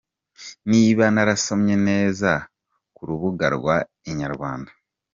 Niba narasomye neza kurubuga rwa inyarwanda.